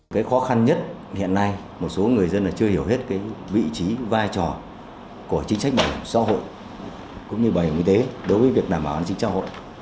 cái khó khăn nhất hiện nay một số người dân là chưa hiểu hết vị trí vai trò của chính sách bảo hiểm xã hội cũng như bảo hiểm y tế đối với việc đảm bảo an sinh xã hội